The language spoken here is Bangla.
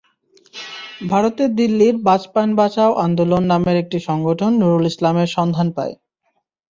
ভারতের দিল্লির বাচপান বাঁচাও আন্দোলন নামের একটি সংগঠন নুরুল ইসলামের সন্ধান পায়।